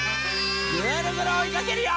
ぐるぐるおいかけるよ！